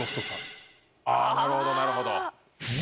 あなるほどなるほど。